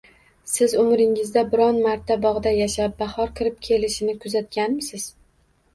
Siz, umringizda biron marta bog’da yashab, bahor kirib kelishini kuzatganmisiz?